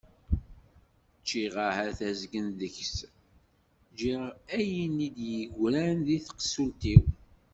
Ččiɣ ahat azgen deg-s, ǧǧiɣ ayen i d-yegran deg tqessult-iw.